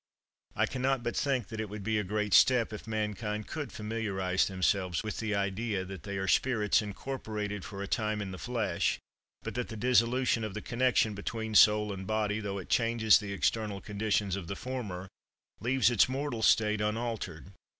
I can not but think that it would be a great step if mankind could familiarize themselves with the idea that they are spirits incorporated for a time in the flesh; but that the dissolution of the connection between soul and body, though it changes the external conditions of the former, leaves its moral state unaltered.